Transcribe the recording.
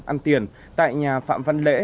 ăn tiền tại nhà phạm văn lễ